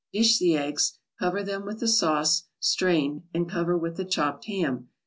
Dish the eggs, cover them with the sauce, strained, and cover with the chopped ham.